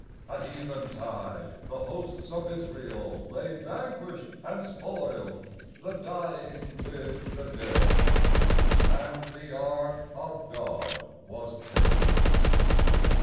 At eventide the hosts of Israel lay Vanquished and spoiled, the dying with the dead; And the Ark of God was taken.